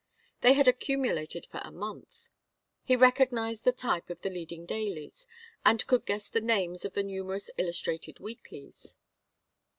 They had accumulated for a month. He recognized the type of the leading dailies, and could guess the names of the numerous illustrated weeklies.